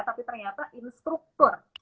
tapi ternyata instruktur